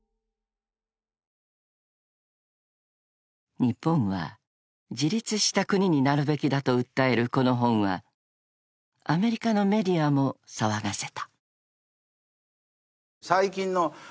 ［日本は自立した国になるべきだと訴えるこの本はアメリカのメディアも騒がせた］